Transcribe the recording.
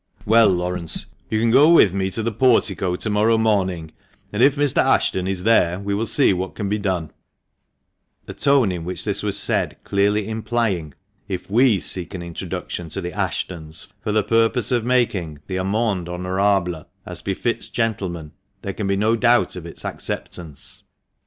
'•Well, Laurence, you can go with me to the Portico to morrow morning, and if Mr. Ashton is there we will see what can be done ;" the tone in which this was said clearly implying, " If we seek an introduction to the Ashton's for the purpose of making the amende honorable as befits gentlemen, there can be no doubt of its acceptance.